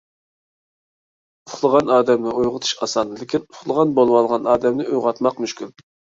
ئۇخلىغان ئادەمنى ئويغىتىش ئاسان، لېكىن ئۇخلىغان بولۇۋالغان ئادەمنى ئويغاتماق مۈشكۈل.